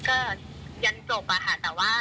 ก็ไม่มีใครเข้าไปห้ามอะไรเขานะคะก็ยันจบอะค่ะแต่ว่า